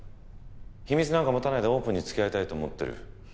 秘密なんか持たないでオープンに付き合いたいと思ってる。